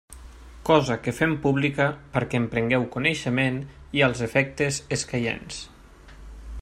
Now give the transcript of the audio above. Cosa que fem pública perquè en prengueu coneixement i als efectes escaients.